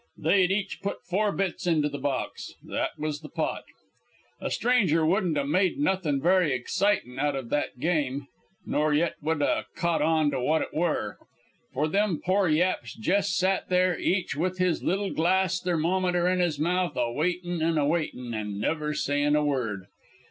They'd each put four bits into the box. That was the pot. "A stranger wouldn't 'a' made nothin' very excitin' out of that game, nor yet would 'a' caught on to what it were. For them pore yaps jes' sat there, each with his little glass thermometer in his mouth, a waitin' and a waitin' and never sayin' a word.